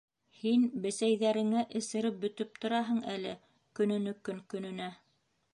Һин бесәйҙәреңә эсереп бөтөп тораһың әле көнөнөкөн көнөнә...